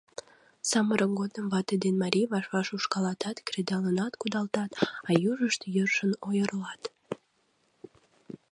Самырык годым вате ден марий ваш-ваш ушкалатат, кредалынат кудалтат, а южышт йӧршын ойырлат.